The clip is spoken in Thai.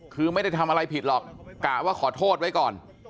คือไม่ได้ทำอะไรผิดหรอกกะว่าขอโทษไว้ก่อน